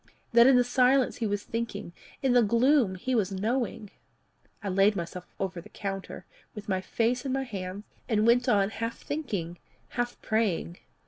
that in the silence he was thinking in the gloom he was knowing? I laid myself over the counter, with my face in my hands, and went on half thinking, half praying.